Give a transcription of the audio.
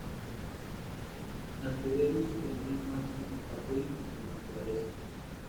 Transcurrió allí su primera infancia en contacto íntimo con la naturaleza.